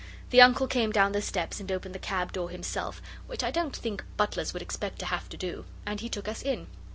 The Uncle came down the steps and opened the cab door himself, which I don't think butlers would expect to have to do. And he took us in.